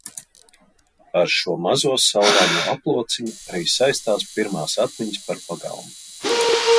Ar šo mazo saulaino aplociņu arī saistās pirmās atmiņas par pagalmu.